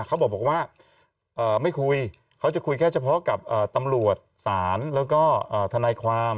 เขาบอกว่าไม่คุยเขาจะคุยแค่เฉพาะกับตำรวจศาลแล้วก็ทนายความ